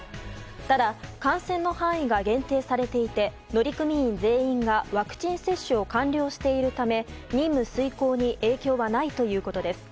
ただ、感染の範囲が限定されていて乗組員全員がワクチン接種を完了しているため任務遂行に影響はないということです。